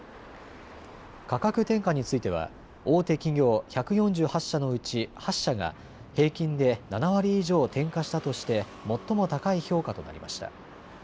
価格転嫁については大手企業１４８社のうち８社が平均で７割以上、転嫁したとして最も高い評価となりました。